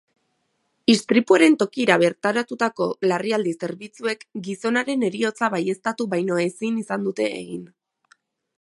Istripuaren tokira bertaratutako larrialdi zerbitzuek gizonaren heriotza baieztatu baino ezin izan dute egin.